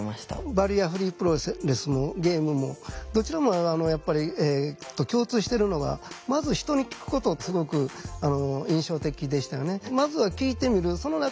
バリアフリープロレスもゲームもどちらもやっぱり共通してるのがまず人に聞くことすごく印象的でしたよね。